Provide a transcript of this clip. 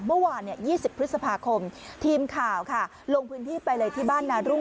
เมื่อวาน๒๐พฤษภาคมทีมข่าวค่ะลงพื้นที่ไปเลยที่บ้านนารุ่ง